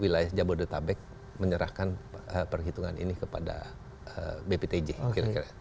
wilayah jabodetabek menyerahkan perhitungan ini kepada bptj kira kira